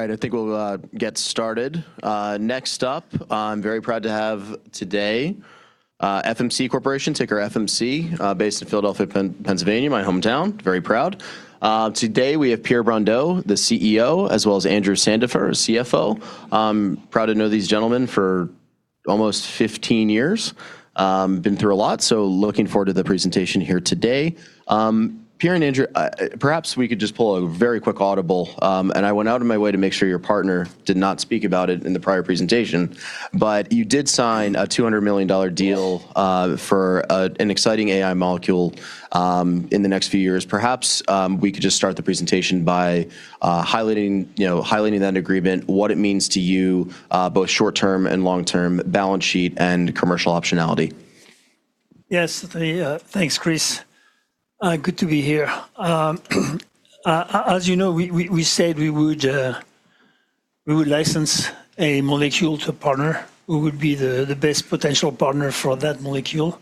All right, I think we'll get started. Next up, I'm very proud to have today, FMC Corporation, ticker FMC, based in Philadelphia, Pennsylvania, my hometown. Very proud. Today we have Pierre Brondeau, the CEO, as well as Andrew Sandifer, CFO. I'm proud to know these gentlemen for almost 15 years. Been through a lot. Looking forward to the presentation here today. Pierre and Andrew, perhaps we could just pull a very quick audible. I went out of my way to make sure your partner did not speak about it in the prior presentation. You did sign a $200 million deal for an exciting AI molecule in the next few years. Perhaps we could just start the presentation by highlighting that agreement, what it means to you, both short-term and long-term balance sheet and commercial optionality. Yes. Thanks, Chris. Good to be here. As you know, we said we would license a molecule to a partner who would be the best potential partner for that molecule.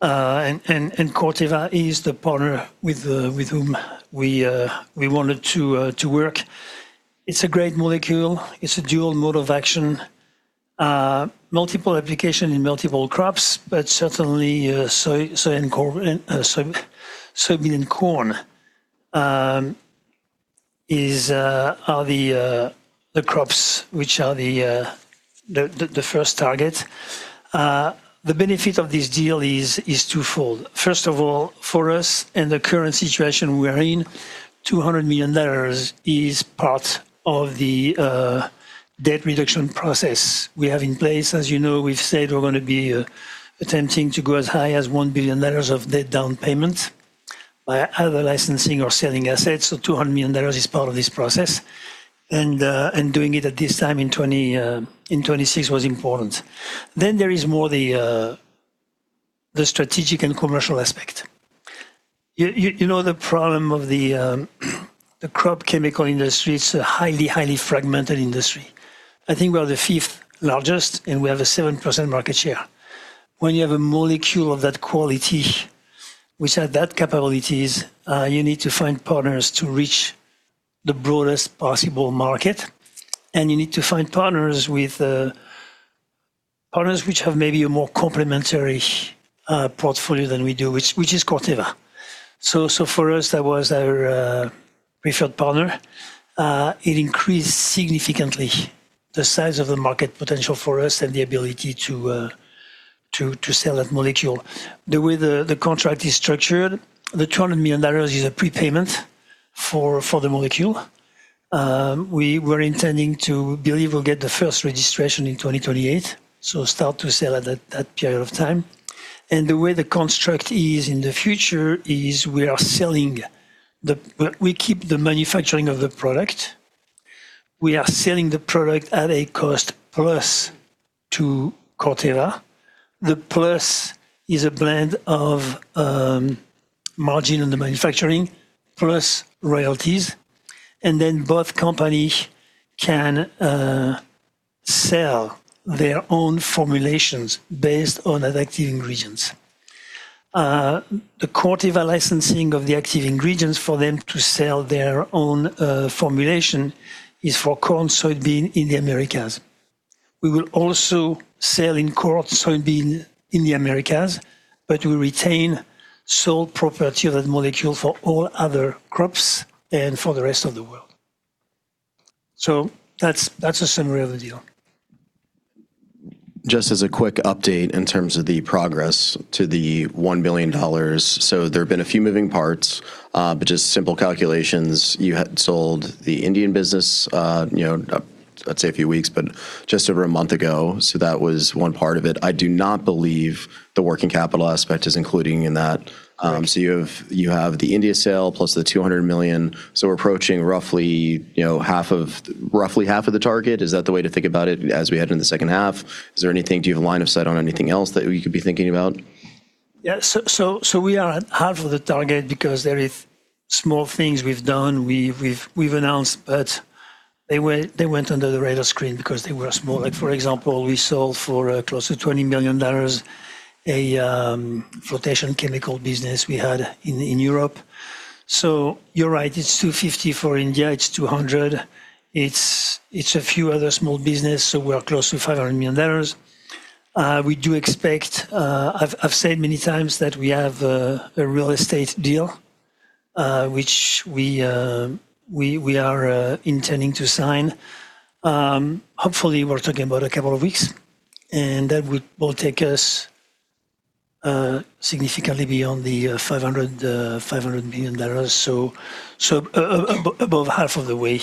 Corteva is the partner with whom we wanted to work. It's a great molecule. It's a dual mode of action. Multiple application in multiple crops. Certainly soybean and corn are the crops which are the first target. The benefit of this deal is twofold. First of all, for us, in the current situation we are in, $200 million is part of the debt reduction process we have in place. As you know, we've said we're going to be attempting to go as high as $1 billion of debt down payment by either licensing or selling assets. $200 million is part of this process. Doing it at this time in 2026 was important. There is more the strategic and commercial aspect. You know the problem of the crop chemical industry, it's a highly fragmented industry. I think we are the fifth largest. We have a 7% market share. When you have a molecule of that quality, which have that capabilities, you need to find partners to reach the broadest possible market. You need to find partners which have maybe a more complementary portfolio than we do, which is Corteva. For us, that was our preferred partner. It increased significantly the size of the market potential for us and the ability to sell that molecule. The way the contract is structured, the $200 million is a prepayment for the molecule. We were intending to believe we'll get the first registration in 2028. Start to sell at that period of time. The way the construct is in the future is we keep the manufacturing of the product. We are selling the product at a cost-plus to Corteva. The plus is a blend of margin on the manufacturing plus royalties. Both companies can sell their own formulations based on that active ingredients. The Corteva licensing of the active ingredients for them to sell their own formulation is for corn, soybean in the Americas. We will also sell in corn, soybean in the Americas. We retain sole property of that molecule for all other crops and for the rest of the world. That's a summary of the deal. Just as a quick update in terms of the progress to the $1 billion. There have been a few moving parts, but just simple calculations. You had sold the Indian business, I'd say a few weeks, but just over a month ago, so that was one part of it. I do not believe the working capital aspect is included in that. You have the India sale plus the $200 million. We're approaching roughly half of the target. Is that the way to think about it as we head into the second half? Do you have a line of sight on anything else that you could be thinking about? We are at half of the target because there are small things we've done, we've announced, but they went under the radar screen because they were small. For example, we sold for close to $20 million a flotation chemical business we had in Europe. You're right, it's $250 million for India, it's $200 million. It's a few other small businesses, so we're close to $500 million. We do expect, I've said many times, that we have a real estate deal, which we are intending to sign. Hopefully, we're talking about a couple of weeks, and that will take us significantly beyond the $500 million, so above half of the way.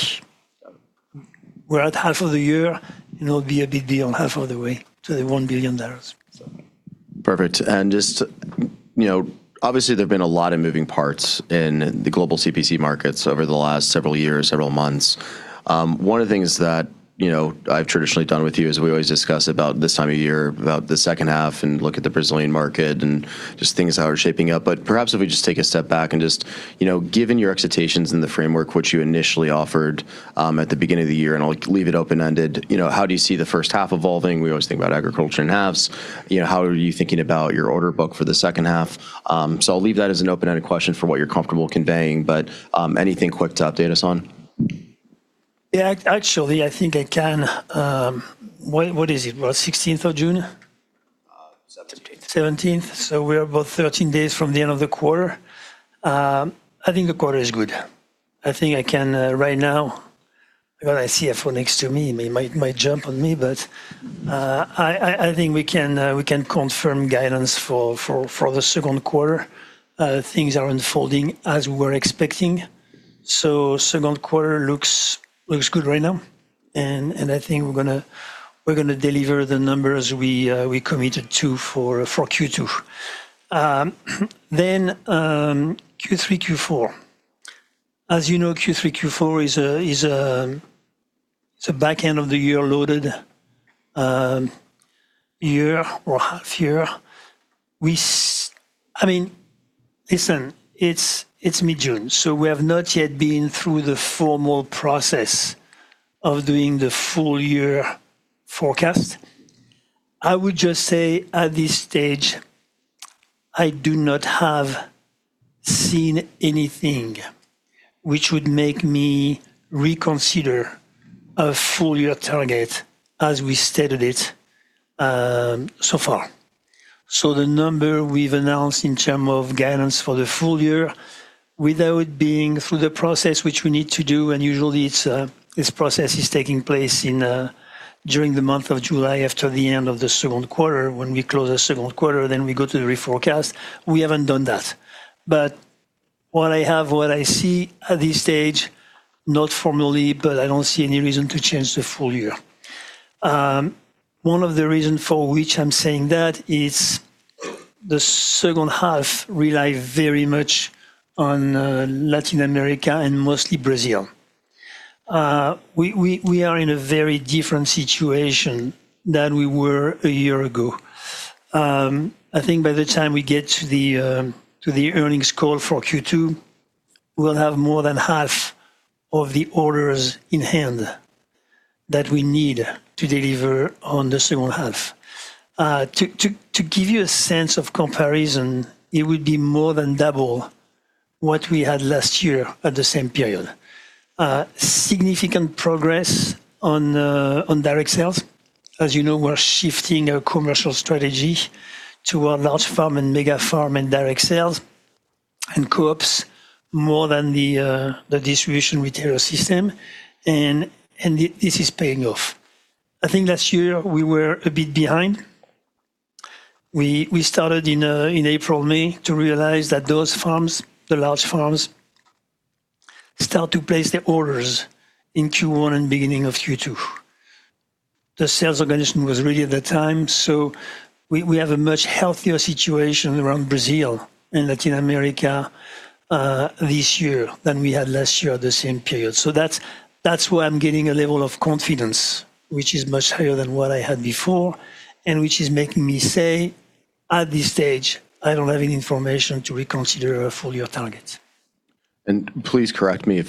We're at half of the year, it'll be a big deal half of the way to the $1 billion. Perfect. Just, obviously, there've been a lot of moving parts in the global CPC markets over the last several years, several months. One of the things that I've traditionally done with you is we always discuss about this time of year, about the second half, and look at the Brazilian market and just things how are shaping up. Perhaps if we just take a step back and just, given your expectations and the framework which you initially offered at the beginning of the year, and I'll leave it open-ended, how do you see the first half evolving? We always think about agriculture in halves. How are you thinking about your order book for the second half? I'll leave that as an open-ended question for what you're comfortable conveying. Anything quick to update us on? Yeah, actually, I think I can. What is it? What, 16th of June? 17th. 17th. We are about 13 days from the end of the quarter. I think the quarter is good. I think I can, right now. I've got our CFO next to me, he might jump on me, but I think we can confirm guidance for the second quarter. Things are unfolding as we were expecting. The second quarter looks good right now, and I think we're going to deliver the numbers we committed to for Q2. Q3, Q4. As you know, Q3, Q4 is the back end of the year loaded year or half-year. It's mid-June. We have not yet been through the formal process of doing the full year forecast. I would just say, at this stage, I do not have seen anything which would make me reconsider a full year target as we stated it so far. The number we've announced in terms of guidance for the full year, without being through the process, which we need to do. Usually this process is taking place during the month of July after the end of the second quarter, when we close the second quarter, we go to the re-forecast. We haven't done that. What I have, what I see at this stage, not formally, I don't see any reason to change the full year. One of the reasons for which I'm saying that is the second half relies very much on Latin America and mostly Brazil. We are in a very different situation than we were a year ago. I think by the time we get to the earnings call for Q2, we'll have more than half of the orders in hand that we need to deliver on the second half. To give you a sense of comparison, it would be more than double what we had last year at the same period. Significant progress on direct sales. As you know, we're shifting our commercial strategy toward large farm and mega farm and direct sales and co-ops more than the distribution retailer system. This is paying off. I think last year we were a bit behind. We started in April/May to realize that those farms, the large farms, start to place their orders in Q1 and beginning of Q2. The sales organization was ready at the time, we have a much healthier situation around Brazil and Latin America this year than we had last year at the same period. That's why I'm getting a level of confidence which is much higher than what I had before and which is making me say, at this stage, I don't have any information to reconsider a full year target. Please correct me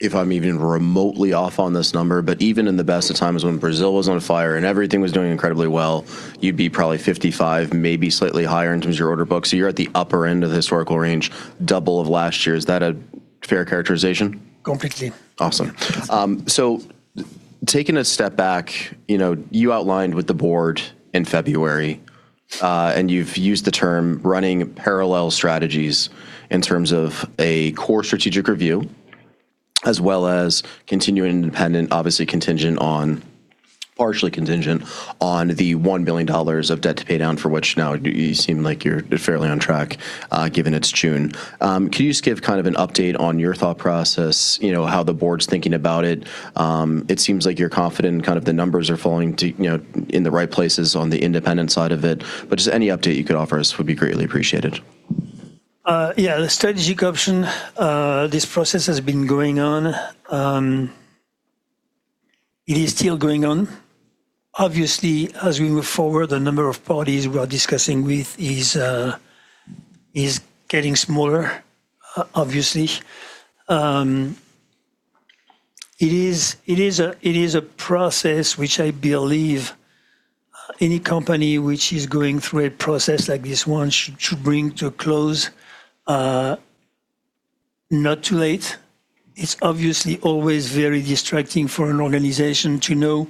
if I'm even remotely off on this number, even in the best of times when Brazil was on fire and everything was doing incredibly well, you'd be probably 55%, maybe slightly higher in terms of your order book. You're at the upper end of the historical range, double of last year. Is that a fair characterization? Completely. Awesome. Taking a step back, you outlined with the board in February, and you've used the term running parallel strategies in terms of a core strategic review, as well as continuing independent, obviously contingent on, partially contingent on the $1 billion of debt to pay down for which now you seem like you're fairly on track, given it's June. Can you just give an update on your thought process, how the board's thinking about it? It seems like you're confident the numbers are falling in the right places on the independent side of it, just any update you could offer us would be greatly appreciated. The strategic option, this process has been going on. It is still going on. As we move forward, the number of parties we are discussing with is getting smaller, obviously. It is a process which I believe any company which is going through a process like this one should bring to a close not too late. Obviously, it's always very distracting for an organization to know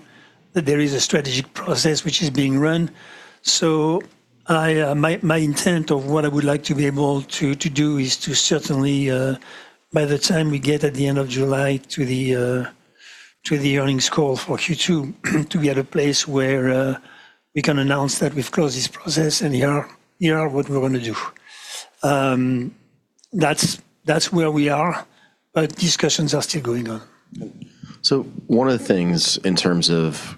that there is a strategic process which is being run. My intent of what I would like to be able to do is to certainly, by the time we get at the end of July to the earnings call for Q2, to be at a place where we can announce that we've closed this process and here what we're going to do. That's where we are, discussions are still going on. One of the things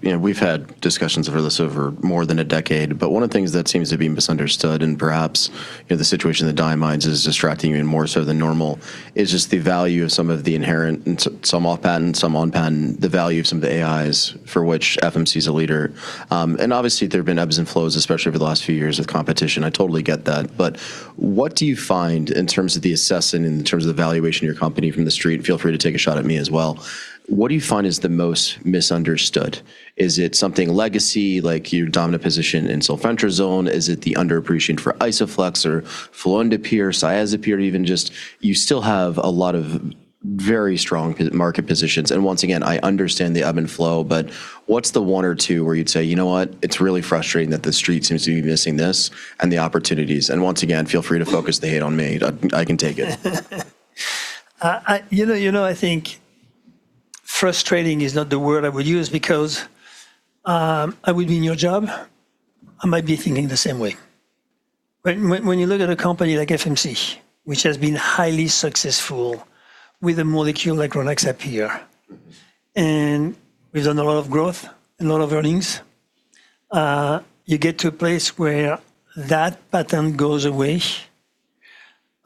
we've had discussions over this over more than a decade, but one of the things that seems to be misunderstood, and perhaps the situation with diamides is distracting you even more so than normal, is just the value of some of the inherent and some off-hand, some on-hand, the value of some of the AIs for which FMC is a leader. Obviously, there have been ebbs and flows, especially over the last few years with competition. I totally get that. What do you find in terms of the assessment, in terms of the valuation of your company from the street? Feel free to take a shot at me as well. What do you find is the most misunderstood? Is it something legacy like your dominant position in sulfentrazone? Is it the underappreciation for Isoflex or fluindapyr or Cyazypyr? Even just you still have a lot of very strong market positions. Once again, I understand the ebb and flow, what's the one or two where you'd say, "You know what? It's really frustrating that the Street seems to be missing this and the opportunities." Once again, feel free to focus the hate on me. I can take it. I think frustrating is not the word I would use because if I would be in your job, I might be thinking the same way. When you look at a company like FMC, which has been highly successful with a molecule like Rynaxypyr. We've done a lot of growth, a lot of earnings, you get to a place where that pattern goes away,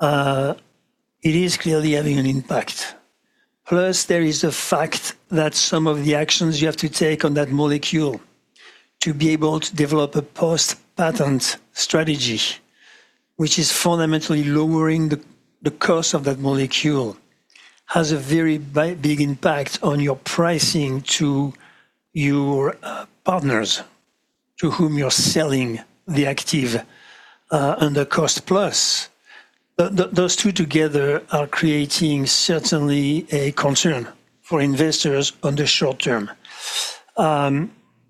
it is clearly having an impact. Plus, there is a fact that some of the actions you have to take on that molecule to be able to develop a post-patent strategy, which is fundamentally lowering the cost of that molecule, has a very big impact on your pricing to your partners, to whom you're selling the active under cost-plus. Those two together are creating certainly a concern for investors on the short term.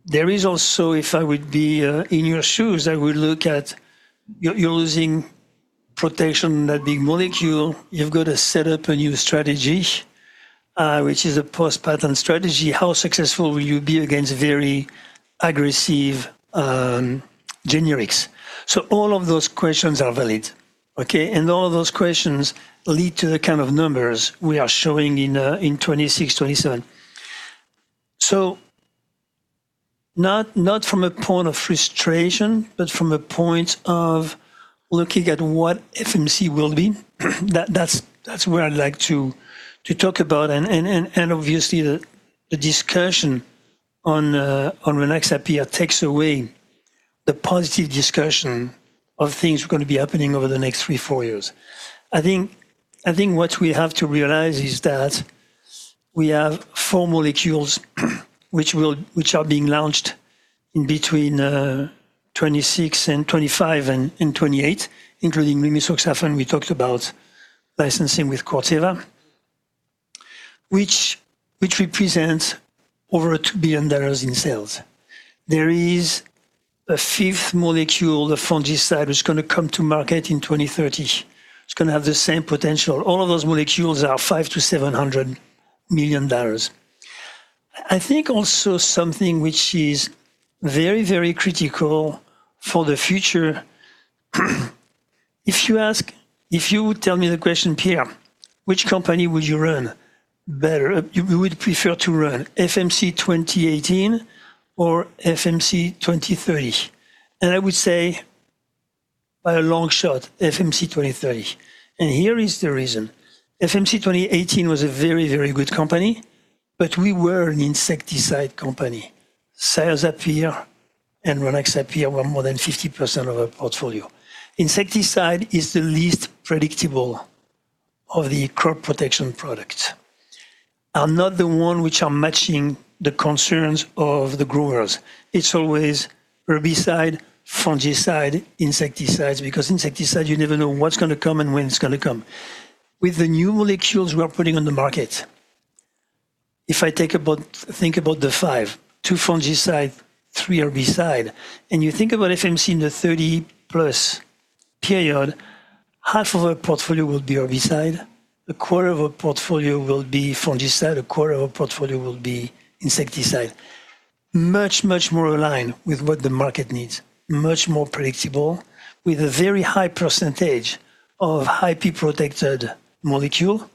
There is also, if I would be in your shoes, I would look at you're losing protection on that big molecule. You've got to set up a new strategy, which is a post-patent strategy. How successful will you be against very aggressive generics? All of those questions are valid, okay? All of those questions lead to the kind of numbers we are showing in 2026-2027. Not from a point of frustration, but from a point of looking at what FMC will be, that's where I'd like to talk about, and obviously, the discussion on Rynaxypyr takes away the positive discussion of things that are going to be happening over the next three, four years. I think what we have to realize is that we have four molecules which are being launched in between 2026 and 2025 and 2028, including rimisoxafen we talked about licensing with Corteva, which represents over $2 billion in sales. There is a fifth molecule, the fungicide, which is going to come to market in 2030. It's going to have the same potential. All of those molecules are $500 million-$700 million. I think also something which is very, very critical for the future, if you tell me the question, "Pierre, which company would you run better? You would prefer to run FMC 2018 or FMC 2030?" I would say by a long shot, FMC 2030. Here is the reason. FMC 2018 was a very, very good company, but we were an insecticide company. Cyazypyr and Rynaxypyr were more than 50% of our portfolio. Insecticide is the least predictable of the crop protection products, are not the one which are matching the concerns of the growers. It's always herbicide, fungicide, insecticides, because insecticides, you never know what's going to come and when it's going to come. With the new molecules we are putting on the market, if I think about the five, two fungicides, three herbicides, and you think about FMC in the 30+ period, half of our portfolio will be herbicide. A quarter of our portfolio will be fungicide. A quarter of our portfolio will be insecticide. Much more aligned with what the market needs, much more predictable, with a very high percentage of IP-protected molecule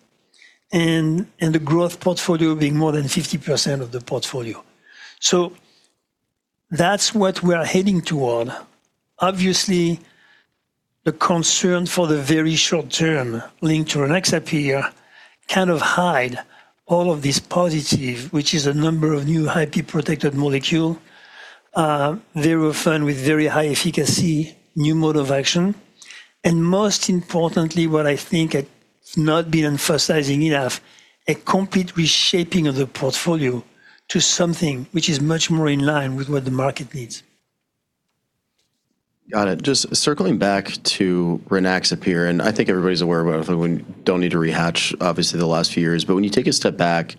and the growth portfolio being more than 50% of the portfolio. That's what we are heading toward. Obviously, the concern for the very short term linked to Rynaxypyr kind of hide all of this positive, which is a number of new IP-protected molecule, very fun with very high efficacy, new dual mode of action, and most importantly, what I think it's not been emphasizing enough, a complete reshaping of the portfolio to something which is much more in line with what the market needs. Got it. Just circling back to Rynaxypyr. I think everybody's aware of it. We don't need to rehash, obviously, the last few years. When you take a step back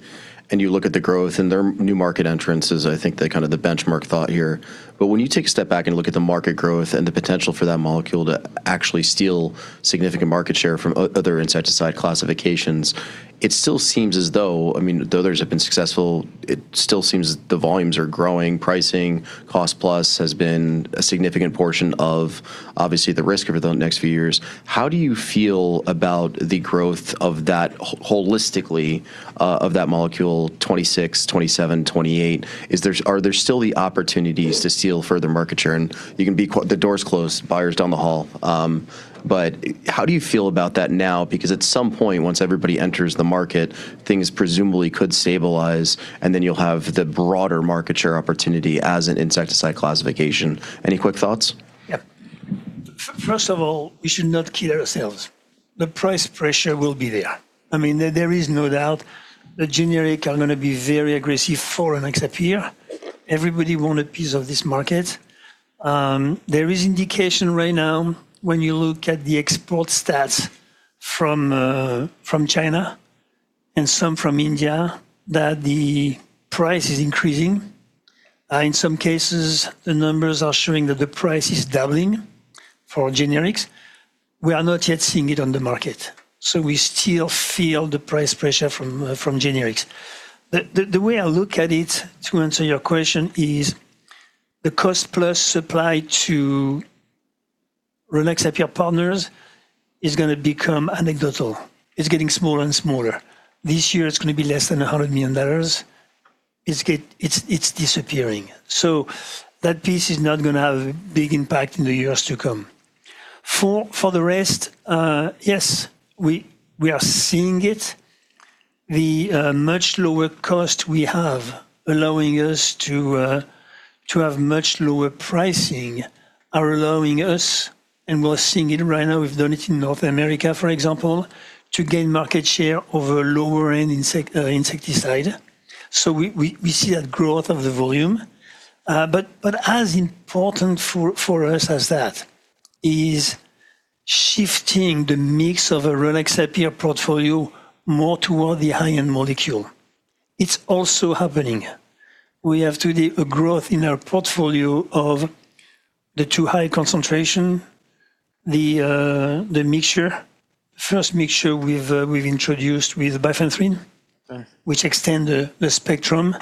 and you look at the growth and their new market entrances, I think they're kind of the benchmark thought here. When you take a step back and look at the market growth and the potential for that molecule to actually steal significant market share from other insecticide classifications, it still seems as though others have been successful, it still seems the volumes are growing. Pricing, cost-plus has been a significant portion of, obviously, the risk over the next few years. How do you feel about the growth of that holistically of that molecule 2026, 2027, 2028? Are there still the opportunities to steal further market share? The door is closed, buyer's down the hall. How do you feel about that now? Because at some point, once everybody enters the market, things presumably could stabilize, and then you'll have the broader market share opportunity as an insecticide classification. Any quick thoughts? Yeah. First of all, we should not kid ourselves. The price pressure will be there. There is no doubt. The generic are going to be very aggressive for Rynaxypyr. Everybody want a piece of this market. There is indication right now when you look at the export stats from China and some from India, that the price is increasing. In some cases, the numbers are showing that the price is doubling for generics. We are not yet seeing it on the market, so we still feel the price pressure from generics. The way I look at it, to answer your question, is the cost-plus supply to Rynaxypyr partners is going to become anecdotal. It's getting smaller and smaller. This year it's going to be less than $100 million. It's disappearing. That piece is not going to have a big impact in the years to come. For the rest, yes, we are seeing it. The much lower cost we have, allowing us to have much lower pricing, are allowing us, and we're seeing it right now, we've done it in North America, for example, to gain market share over lower-end insecticide. We see that growth of the volume. As important for us as that is shifting the mix of a Rynaxypyr portfolio more toward the high-end molecule. It's also happening. We have today a growth in our portfolio of the two high concentration, the mixture. First mixture we've introduced with bifenthrin. Right. Which extend the spectrum.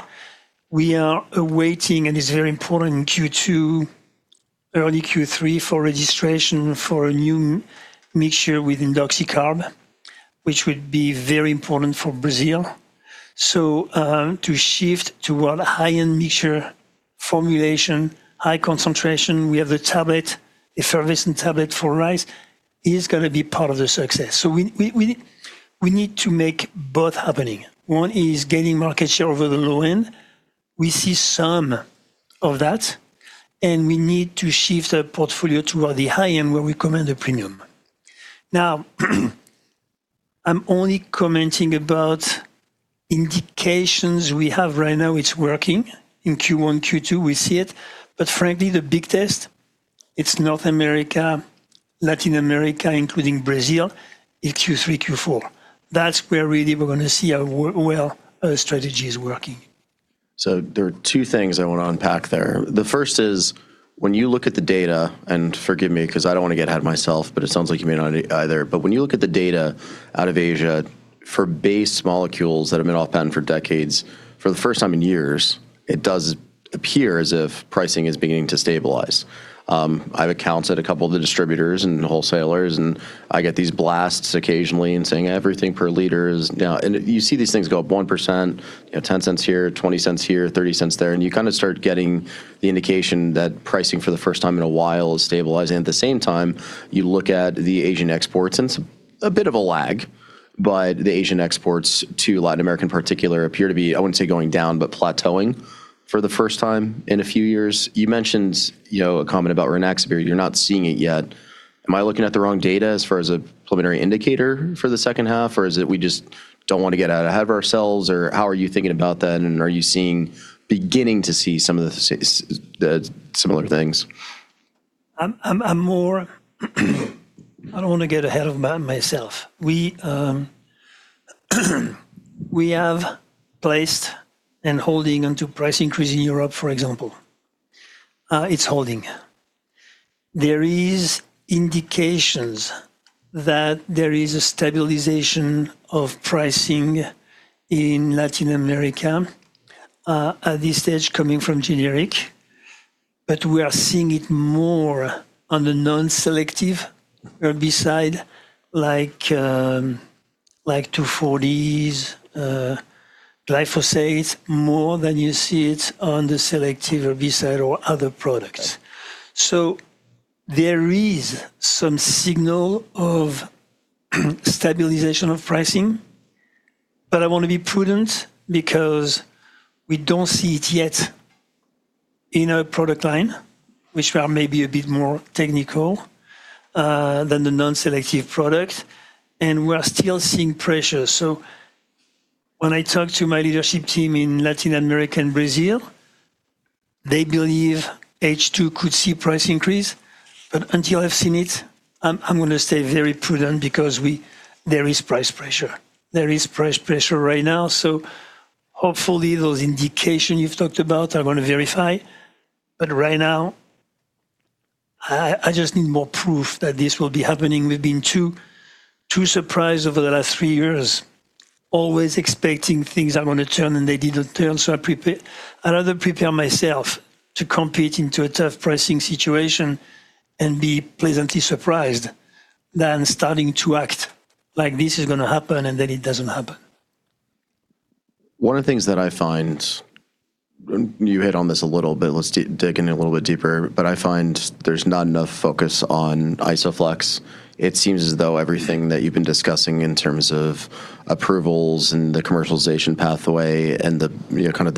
We are awaiting, and it's very important, Q2, early Q3 for registration for a new mixture with indoxacarb, which would be very important for Brazil. To shift toward a high-end mixture formulation, high concentration, we have the tablet, [effervescent] tablet for rice, is going to be part of the success. We need to make both happening. One is gaining market share over the low end. We see some of that, and we need to shift the portfolio toward the high end where we command a premium. I'm only commenting about indications we have right now it's working in Q1, Q2, we see it. Frankly, the big test, it's North America, Latin America, including Brazil, in Q3, Q4. That's where really we're going to see how well our strategy is working. There are two things I want to unpack there. The first is, when you look at the data, and forgive me because I don't want to get ahead of myself, it sounds like you may not either. When you look at the data out of Asia for base molecules that have been off patent for decades, for the first time in years, it does appear as if pricing is beginning to stabilize. I have accounts at a couple of the distributors and wholesalers, and I get these blasts occasionally saying everything per liter is now-- You see these things go up 1%, $0.10 here, $0.20 here, $0.30 there, and you kind of start getting the indication that pricing for the first time in a while is stabilizing. At the same time, you look at the Asian exports, and it's a bit of a lag, but the Asian exports to Latin America in particular appear to be, I wouldn't say going down, but plateauing for the first time in a few years. You mentioned a comment about Rynaxypyr. You're not seeing it yet. Am I looking at the wrong data as far as a preliminary indicator for the second half, or is it we just don't want to get out ahead of ourselves, or how are you thinking about that, and are you beginning to see some of the similar things? I don't want to get ahead of myself. We have placed and holding onto price increase in Europe, for example. It's holding. There is indications that there is a stabilization of pricing in Latin America, at this stage coming from generic, but we are seeing it more on the non-selective herbicide like 2,4-D, glyphosate, more than you see it on the selective herbicide or other products. There is some signal of stabilization of pricing, but I want to be prudent because we don't see it yet in our product line, which are maybe a bit more technical than the non-selective product, and we are still seeing pressure. When I talk to my leadership team in Latin America and Brazil, they believe H2 could see price increase. Until I've seen it, I'm going to stay very prudent because there is price pressure. There is price pressure right now. Hopefully those indication you've talked about are going to verify. Right now I just need more proof that this will be happening. We've been too surprised over the last three years, always expecting things are going to turn, and they didn't turn. I'd rather prepare myself to compete into a tough pricing situation and be pleasantly surprised than starting to act like this is going to happen, and then it doesn't happen. One of the things that I find, you hit on this a little bit, let's dig in a little bit deeper, but I find there's not enough focus on Isoflex. It seems as though everything that you've been discussing in terms of approvals and the commercialization pathway and the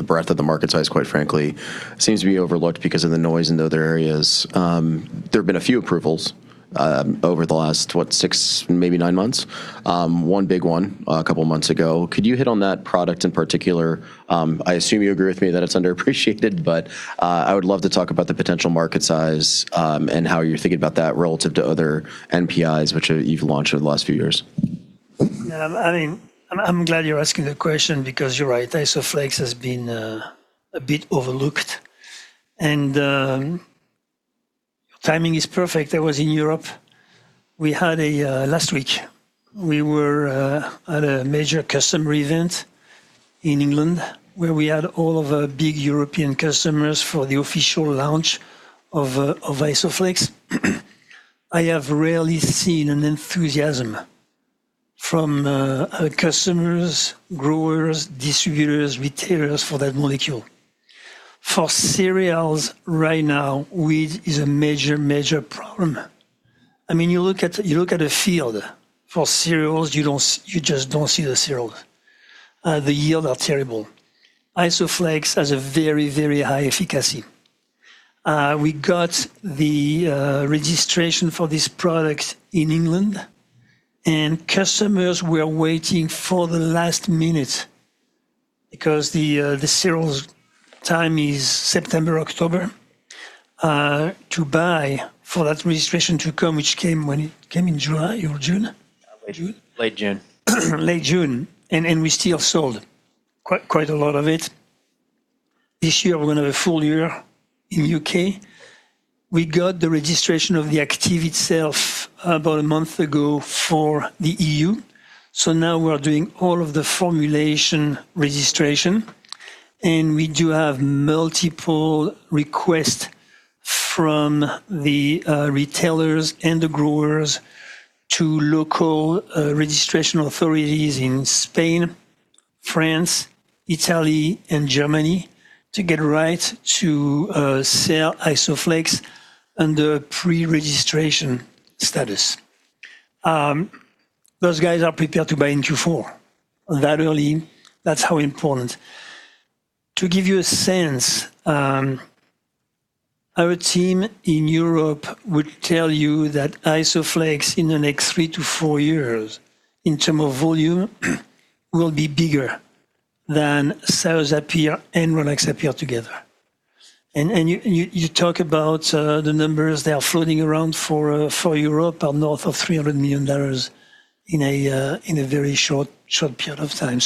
breadth of the market size, quite frankly, seems to be overlooked because of the noise in the other areas. There have been a few approvals over the last, what? six, maybe nine months. one big one a couple months ago. Could you hit on that product in particular? I assume you agree with me that it's underappreciated, but I would love to talk about the potential market size, and how you're thinking about that relative to other NPIs which you've launched over the last few years? Yeah, I'm glad you're asking the question because you're right. Isoflex has been a bit overlooked. The timing is perfect. I was in Europe last week. We were at a major customer event in England where we had all of our big European customers for the official launch of Isoflex. I have rarely seen an enthusiasm from customers, growers, distributors, retailers for that molecule. For cereals right now, wheat is a major problem. You look at a field. For cereals, you just don't see the cereal. The yield are terrible. Isoflex has a very, very high efficacy. We got the registration for this product in England, and customers were waiting for the last minute because the cereals time is September, October, to buy for that registration to come, which came in July or June? June. Late June. Late June. We still sold quite a lot of it. This year, we're going to have a full year in U.K. We got the registration of the active itself about a month ago for the EU. Now we are doing all of the formulation registration, and we do have multiple requests from the retailers and the growers to local registration authorities in Spain, France, Italy, and Germany to get right to sell Isoflex under pre-registration status. Those guys are prepared to buy in Q4. That early, that's how important. To give you a sense, our team in Europe would tell you that Isoflex, in the next three to four years, in term of volume, will be bigger than Cyazypyr and Rynaxypyr together. You talk about the numbers that are floating around for Europe are north of $300 million in a very short period of time.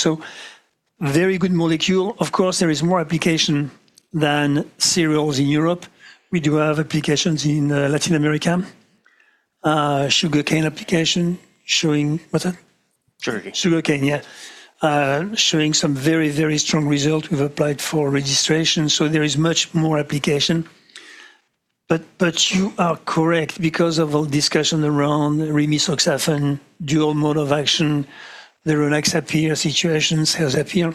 Very good molecule. Of course, there is more application than cereals in Europe. We do have applications in Latin America. Sugarcane application showing- what's that? Sugarcane. Sugarcane, yeah. Showing some very, very strong result. We've applied for registration, there is much more application. You are correct because of all discussion around rimisoxafen, dual mode of action, the Rynaxypyr situations has appeared.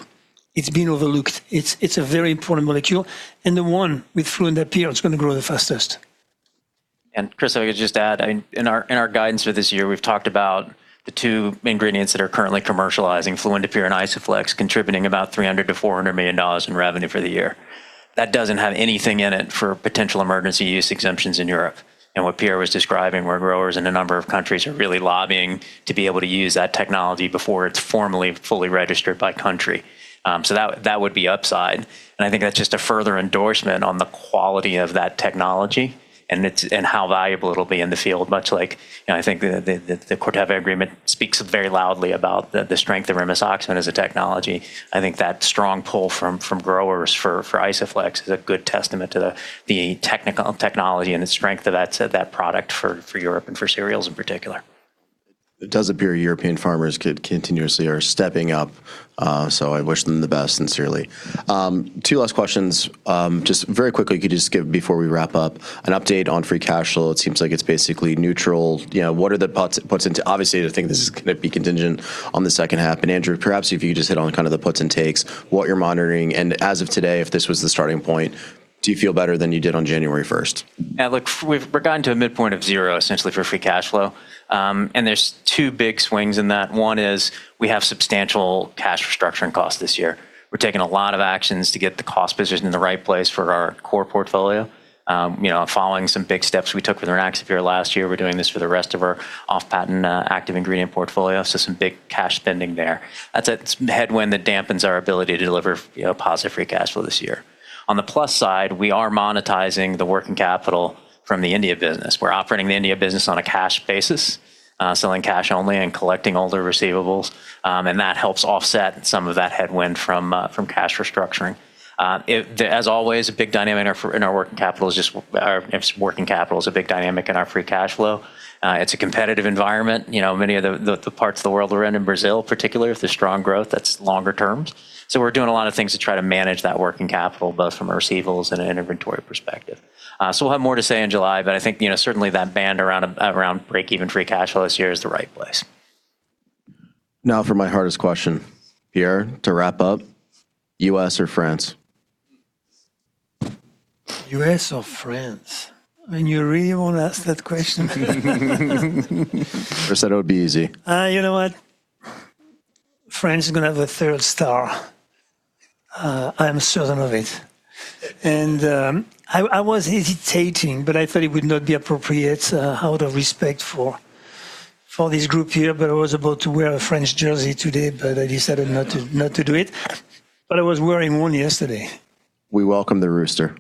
It's been overlooked. It's a very important molecule, and the one with fluindapyr, it's going to grow the fastest. Chris, if I could just add, in our guidance for this year, we've talked about the two main ingredients that are currently commercializing, fluindapyr and Isoflex, contributing about $300 million-$400 million in revenue for the year. That doesn't have anything in it for potential emergency use exemptions in Europe. What Pierre was describing, where growers in a number of countries are really lobbying to be able to use that technology before it's formally, fully registered by country. That would be upside, and I think that's just a further endorsement on the quality of that technology and how valuable it'll be in the field. Much like, I think the Corteva agreement speaks very loudly about the strength of rimisoxafen as a technology. I think that strong pull from growers for Isoflex is a good testament to the technology and the strength of that product for Europe and for cereals in particular. It does appear European farmers continuously are stepping up. I wish them the best, sincerely. Two last questions. Just very quickly, could you just give, before we wrap up, an update on free cash flow? It seems like it's basically neutral. What are the puts into-- Obviously, I think this is going to be contingent on the second half, and Andrew, perhaps if you could just hit on kind of the puts and takes, what you're monitoring, and as of today, if this was the starting point, do you feel better than you did on January 1st? Yeah, look, we've gotten to a midpoint of zero, essentially, for free cash flow. There's two big swings in that. One is we have substantial cash restructuring costs this year. We're taking a lot of actions to get the cost position in the right place for our core portfolio. Following some big steps we took with Rynaxypyr last year, we're doing this for the rest of our off-patent active ingredient portfolio. Some big cash spending there. That's a headwind that dampens our ability to deliver positive free cash flow this year. On the plus side, we are monetizing the working capital from the India business. We're operating the India business on a cash basis. Selling cash only and collecting all the receivables, and that helps offset some of that headwind from cash restructuring. As always, a big dynamic in our working capital is a big dynamic in our free cash flow. It's a competitive environment. Many of the parts of the world we're in Brazil particularly, with the strong growth, that's longer term. We're doing a lot of things to try to manage that working capital, both from a receivables and an inventory perspective. We'll have more to say in July, but I think certainly that band around break even free cash flow this year is the right place. Now for my hardest question. Pierre, to wrap up, U.S. or France? U.S. or France? You really want to ask that question to me? Chris said it would be easy. You know what? France is going to have a third star. I am certain of it. I was hesitating, I thought it would not be appropriate out of respect for this group here, I was about to wear a French jersey today, I decided not to do it. I was wearing one yesterday. We welcome the rooster.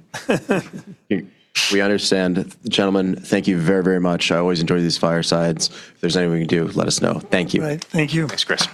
We understand. Gentlemen, thank you very, very much. I always enjoy these firesides. If there is anything we can do, let us know. Thank you. All right. Thank you. Thanks, Chris.